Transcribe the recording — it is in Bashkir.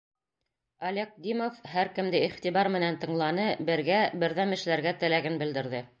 Олег Димов һәр кемде иғтибар менән тыңланы, бергә, берҙәм эшләргә теләген белдерҙе.